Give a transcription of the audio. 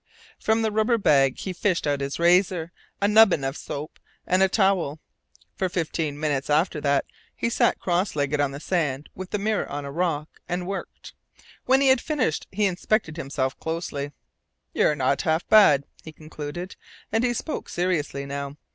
From the rubber bag he fished out his razor, a nubbin of soap, and a towel. For fifteen minutes after that he sat cross legged on the sand, with the mirror on a rock, and worked. When he had finished he inspected himself closely. "You're not half bad," he concluded, and he spoke seriously now.